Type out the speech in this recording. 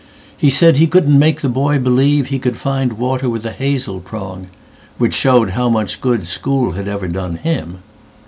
He said he couldn't make the boy believeHe could find water with a hazel prong—Which showed how much good school had ever done him.